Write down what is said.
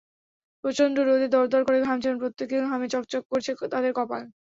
প্রচণ্ড রোদে দরদর করে ঘামছেন প্রত্যেকে, ঘামে চকচক করছে তাদের কপাল।